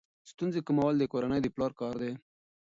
ستونزې کمول د کورنۍ د پلار کار دی.